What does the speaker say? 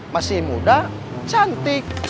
masih muda cantik